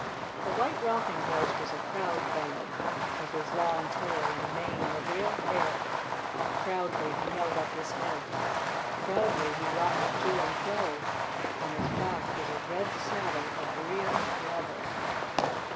The White Rocking Horse was a proud fellow, with his long tail and mane of real hair. Proudly he held up his head. Proudly he rocked to and fro. On his back was a red saddle of real leather.